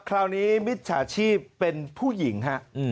คราวนี้มิจฉาชีพเป็นผู้หญิงฮะ